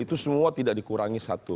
itu semua tidak dikurangi satu